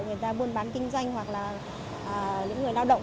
người ta buôn bán kinh doanh hoặc là những người lao động